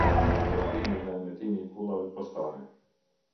Prodhimi dhe emetimi i pullave postare.